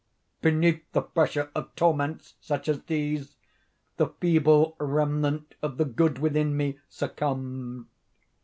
_ Beneath the pressure of torments such as these, the feeble remnant of the good within me succumbed.